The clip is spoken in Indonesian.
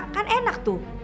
kan enak tuh